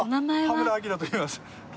羽村章といいます。